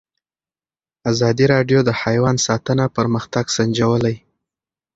ازادي راډیو د حیوان ساتنه پرمختګ سنجولی.